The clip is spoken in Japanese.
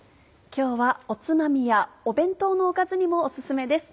今日はおつまみやお弁当のおかずにもお薦めです。